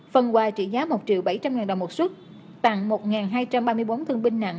phần quà trị giá một bảy trăm linh đồng một xuất tặng một hai trăm ba mươi bốn thương binh nạn